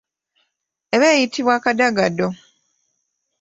Eba eyitibwa kadagado.